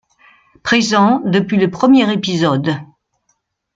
Présent depuis le premier épisode.